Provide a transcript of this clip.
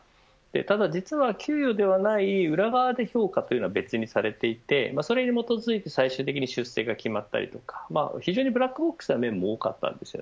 ただ実は給与ではない裏側で評価というのは別にされていてそれに基づいて最終的に出世が決まったりとか非常にブラックボックスな面も多かったんです。